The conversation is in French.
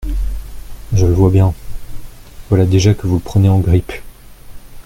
Je le vois bien… voilà déjà que vous le prenez en grippe !